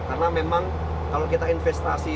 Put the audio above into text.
karena memang kalau kita investasi